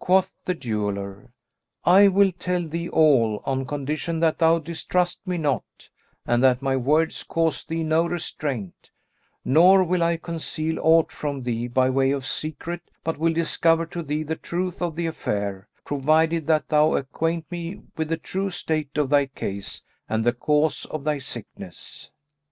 Quoth the jeweller, "I will tell thee all, on condition that thou distrust me not, and that my words cause thee no restraint; nor will I conceal aught from thee by way of secret but will discover to thee the truth of the affair, provided that thou acquaint me with the true state of thy case and the cause of thy sickness."